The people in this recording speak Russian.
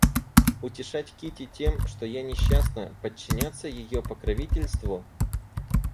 Утешать Кити тем, что я несчастна, подчиняться ее покровительству?